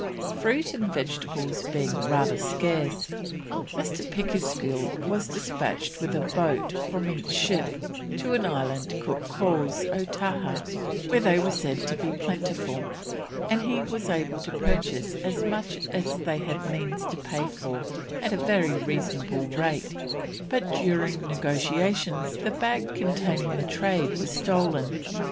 Fruit and vegetables being rather scarce, Mr. Pickersgill was despatched with a boat from each ship to an island Cook calls O'Taha, where they were said to be plentiful, and he was able to purchase as much as they had means to pay for, at a very reasonable rate; but during negotiations the bag containing the trade was stolen.